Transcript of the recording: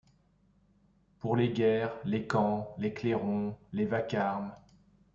Pour les guerres, les camps, les clairons, les vacarmes